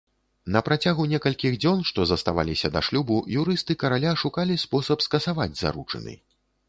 На працягу некалькіх дзён, што заставаліся да шлюбу, юрысты караля шукалі спосаб скасаваць заручыны.